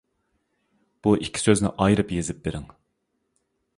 بۇ ئىككى سۆزنى ئايرىپ يېزىپ بىرىڭ.